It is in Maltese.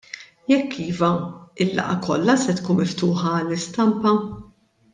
Jekk iva, il-laqgħa kollha se tkun miftuħa għall-istampa?